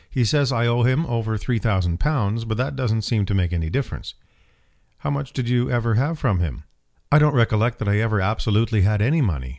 He says I owe him over three thousand pounds, but that doesn't seem to make any difference." "How much did you ever have from him?" "I don't recollect that I ever absolutely had any money.